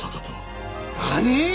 何！？